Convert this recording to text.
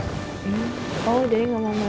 oh jadi mama mau